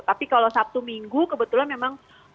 tapi kalau sabtu minggu kebetulan memang